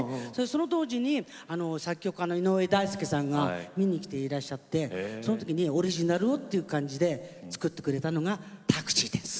その当時に作曲家の井上大輔さんが見に来ていらっしゃってその時にオリジナルをっていう感じで作ってくれたのが「ＴＡＸＩ」です。